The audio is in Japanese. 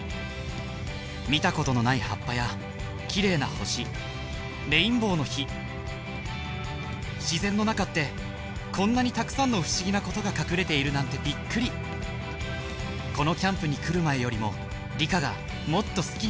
見たことのない葉っぱや綺麗な星レインボーの火自然の中ってこんなにたくさんの不思議なことが隠れているなんてびっくりこのキャンプに来る前よりも理科がもっと好きになった気がします